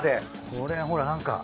これほらなんか。